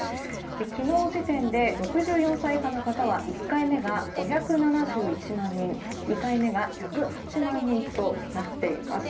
昨日時点で６４歳以下の方は１回目が５７１万人２回目が１０８万人となっています。